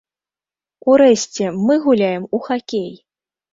Урэшце, мы гуляем у хакей!